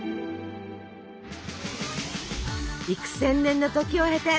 幾千年の時を経て！